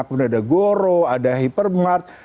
kemudian ada goro ada hypermart